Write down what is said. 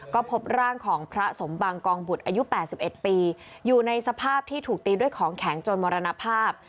ก็พบร่างของพระสมบังกองบุตรอายุ๘๑ปีอยู่ในสภาพที่ถูกตีด้วยของแข็งจนมรณภาพ